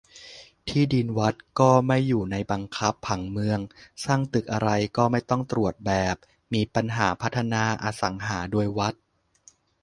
ที่ดินวัดก็ไม่อยู่ในบังคับผังเมือง สร้างตึกอะไรก็ไม่ต้องตรวจแบบ มีปัญหาพัฒนาอสังหาโดยวัด